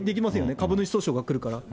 株主訴訟が来るから。